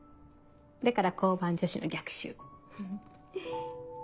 だから交番女子の逆襲フフっ。